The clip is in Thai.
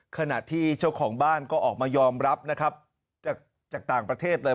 ขณะที่เจ้าของบ้านก็ออกมายอมรับนะครับจากต่างประเทศเลย